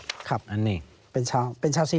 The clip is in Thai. ปีอาทิตย์ห้ามีสปีอาทิตย์ห้ามีส